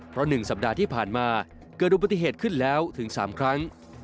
เพราะ๑สัปดาห์ที่ผ่านมาเกิดอุบัติเหตุขึ้นแล้วถึง๓ครั้ง